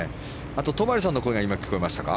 あと戸張さんの声が今聞こえましたか。